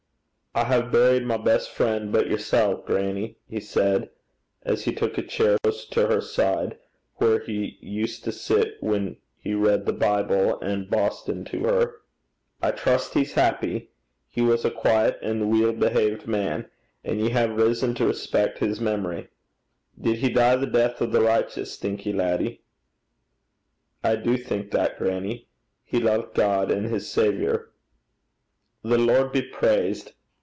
'I hae buried my best frien' but yersel', grannie,' he said, as he took a chair close by her side, where he used to sit when he read the Bible and Boston to her. 'I trust he's happy. He was a douce and a weel behaved man; and ye hae rizzon to respec' his memory. Did he dee the deith o' the richteous, think ye, laddie?' 'I do think that, grannie. He loved God and his Saviour.' 'The Lord be praised!'